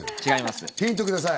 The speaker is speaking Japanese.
ヒントください。